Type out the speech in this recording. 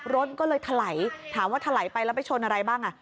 รถก็เลยถลายถามว่าถลายไปแล้วไปชนอะไรบ้าง